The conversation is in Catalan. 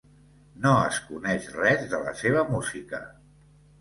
No es coneix res de la seva música.